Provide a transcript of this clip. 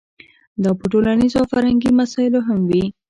دا په ټولنیزو او فرهنګي مسایلو هم وي.